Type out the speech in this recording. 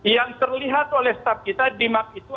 yang terlihat oleh staff kita di map itu